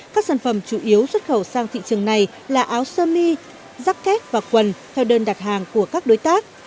các sản phẩm chủ yếu xuất khẩu sang thị trường này là áo sơ mi rác két và quần theo đơn đặt hàng của các đối tác